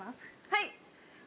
はい。